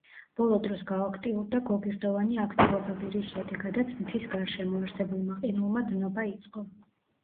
ბოლო დროს გააქტიურდა გოგირდოვანი აქტივობები, რის შედეგადაც მთის გარშემო არსებულმა ყინულმა დნობა იწყო.